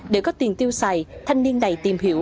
để có tiền tiêu xài thanh niên này tìm hiểu